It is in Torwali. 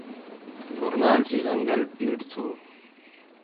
گُورنال سی زنگل پیِڑ تُھو۔